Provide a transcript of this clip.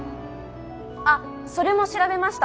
あっそれも調べました。